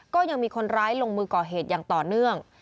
ก็ยังมีคนร้ายลงมือก่อเหตุอย่างต่อเนื่อง